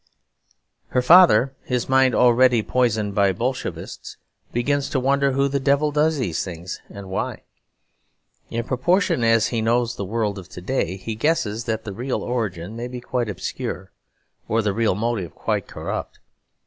Her father, his mind already poisoned by Bolshevists, begins to wonder who the devil does these things, and why. In proportion as he knows the world of to day, he guesses that the real origin may be quite obscure, or the real motive quite corrupt.